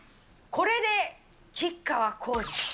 これで吉川晃司さ。